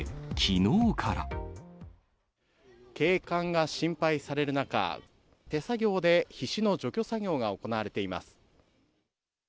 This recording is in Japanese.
景観が心配される中、手作業でヒシの除去作業が行われています。